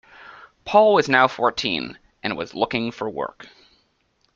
Paul was now fourteen, and was looking for work.